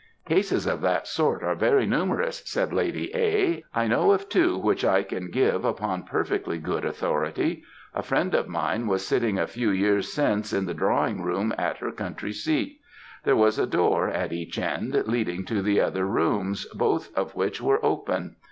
"Cases of that sort are very numerous," said Lady A., "I know of two which I can give upon perfectly good authority. A friend of mine was sitting a few years since in the drawing room at her country seat; there was a door at each end, leading to other rooms, both of which were open.